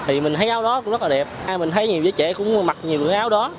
thì mình thấy áo nó cũng rất là đẹp mình thấy nhiều giới trẻ cũng mặc nhiều cái áo đó